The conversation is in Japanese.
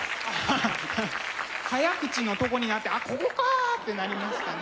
ハハ早口のとこになって「ああここか」ってなりましたね。